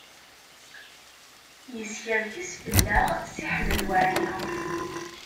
Yeskerkes fell-aɣ Si Ḥmed Waɛli.